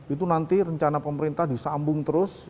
itu nanti rencana pemerintah disambung terus